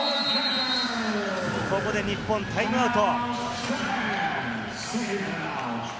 ここで日本がタイムアウト。